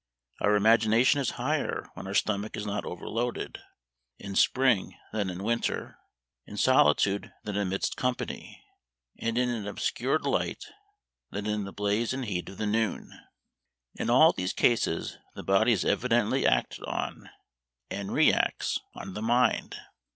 Our imagination is higher when our stomach is not overloaded; in spring than in winter; in solitude than amidst company; and in an obscured light than in the blaze and heat of the noon. In all these cases the body is evidently acted on, and re acts on the mind.